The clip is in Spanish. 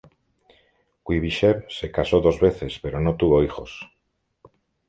Kúibyshev se casó dos veces pero no tuvo hijos.